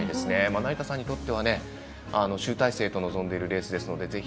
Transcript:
成田さんにとっては集大成と臨んでいるレースですのでぜひ。